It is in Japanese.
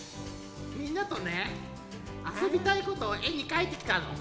みんなとねあそびたいことをえにかいてきたの。